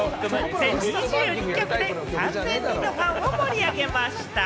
全２２曲で３０００人のファンを盛り上げました。